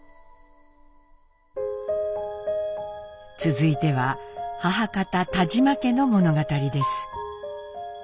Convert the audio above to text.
続いては母方田嶋家の物語です。